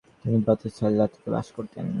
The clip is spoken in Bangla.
তিনি ব্রাতিসলাভাতে বাস করতেন।